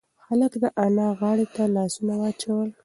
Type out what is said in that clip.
هلک د انا غاړې ته لاسونه واچول.